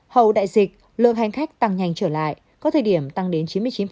hầu đại dịch lượng hành khách tăng nhanh trở lại có thời điểm tăng đến chín mươi chín